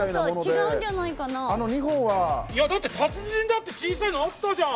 だって達人だって小さいのあったじゃん！